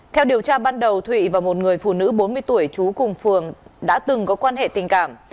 theo điều tra ban đầu thụy và một người phụ nữ bốn mươi tuổi trú cùng phường đã từng có quan hệ tình cảm